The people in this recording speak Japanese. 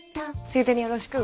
ついでによろしく！